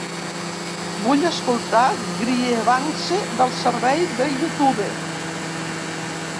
Vull escoltar Grievance del servei de YouTube